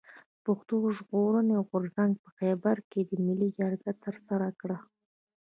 پښتون ژغورني غورځنګ په خېبر کښي ملي جرګه ترسره کړه.